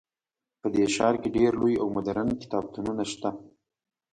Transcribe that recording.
په دې ښار کې ډیر لوی او مدرن کتابتونونه شته